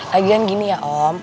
lagian gini ya om